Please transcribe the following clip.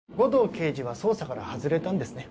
刑事は捜査から外れたんですね